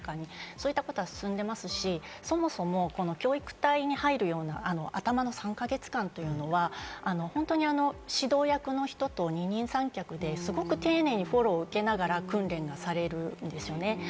そういったことは進んでいますし、そもそも教育隊に入るような頭の３か月間というのは本当に指導役の人と二人三脚で、すごく丁寧にフォローを受けながら訓練がなされるんですよね。